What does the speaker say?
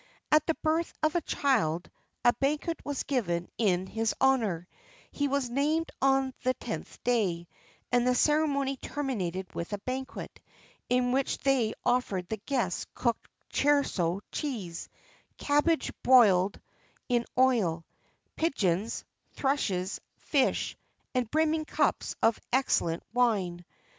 At the birth of a child,[XXX 38] a banquet was given in his honour; he was named on the tenth day, and the ceremony terminated with a banquet,[XXX 39] in which they offered the guests cooked Cherso cheese, cabbage boiled in oil, pigeons, thrushes, fish, and brimming cups of excellent wine.